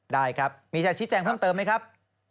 ได้ครับมีจะชี้แจงเพิ่มเติมไหมครับ